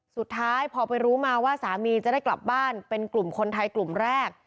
สุดท้ายพอไปรู้มาว่าสามีจะได้กลับบ้านเป็นกลุ่มคนไทยกลุ่มแรก